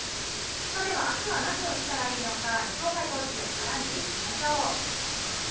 ではあすは何を着たらいいのか、予想最高気温から見ていきましょう。